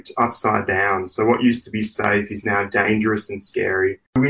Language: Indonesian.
jadi apa yang dulu aman sekarang berbahaya dan mengerikan